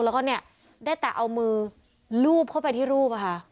แล้วก็เนี่ยได้แต่เอามือลูบเข้าไปที่รูปอะค่ะ